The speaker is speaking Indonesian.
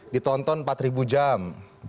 ditonton empat jam